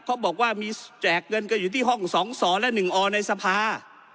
เขาบอกว่ามีแจกเงินกันอยู่ที่ห้อง๒สอและ๑อในสภา